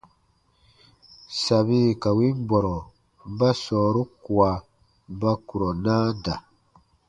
Sabi ka win bɔrɔ ba sɔɔru kua ba kurɔ naa da.